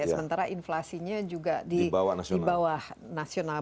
sementara inflasinya juga di bawah nasional